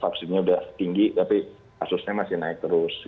kalau vaksinnya udah tinggi tapi kasusnya masih naik terus gitu